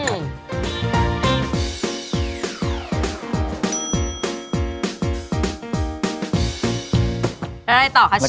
ยังไงต่อค่ะเชฟ